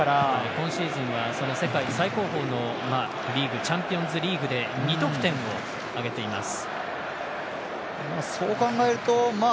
今シーズンは世界最高峰のチャンピオンズリーグで２得点を挙げています。